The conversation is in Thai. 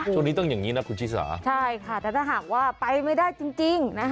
ช่วงนี้ต้องอย่างนี้นะคุณชิสาใช่ค่ะแต่ถ้าหากว่าไปไม่ได้จริง